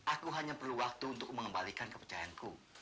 aku hanya perlu waktu untuk mengembalikan kepercayaanku